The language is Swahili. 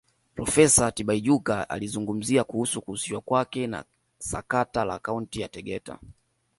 Profesa Tibaijuka alizungumzia kuhusu kuhusishwa kwake na sakata la Akaunti ya Tegeta